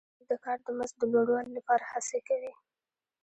دوی د کار د مزد د لوړوالي لپاره هڅې کوي